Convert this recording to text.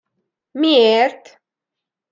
Miért?